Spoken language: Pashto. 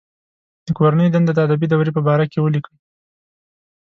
د کورنۍ دنده د ادبي دورې په باره کې ولیکئ.